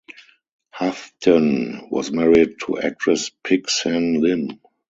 Houghton was married to actress Pik-Sen Lim.